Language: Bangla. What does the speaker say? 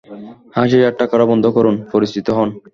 হাসি ঠাট্টা করা বন্ধ করুন, পরিচিত হন।